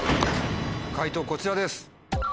解答こちらです。